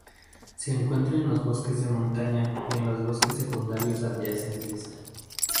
Se encuentra en los bosques de montaña y los bosques secundarios adyacentes.